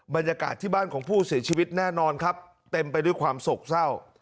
บรรยากาศที่บ้านของผู้เสียชีวิตแน่นอนครับเต็มไปด้วยความโศกเศร้า